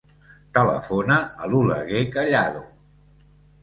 Telefona a l'Oleguer Callado.